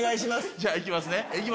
じゃあ行きますね。